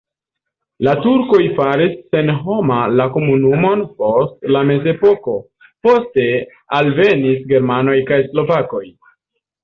La turkoj faris senhoma la komunumon post la mezepoko, poste alvenis germanoj kaj slovakoj.